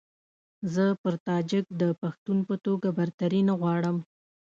زه پر تاجک د پښتون په توګه برتري نه غواړم.